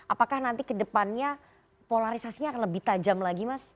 apakah nanti ke depannya polarisasinya akan lebih tajam lagi mas